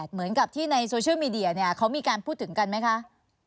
เหมือนกับที่ในโซเชียลมีเดียเนี่ยเขามีการพูดถึงกันไหมคะ